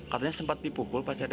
katanya sempat dipukul pas ada